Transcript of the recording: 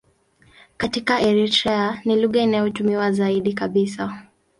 Katika Eritrea ni lugha inayotumiwa zaidi kabisa.